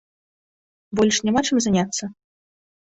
Больш няма чым заняцца?